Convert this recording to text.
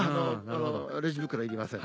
「レジ袋いりません」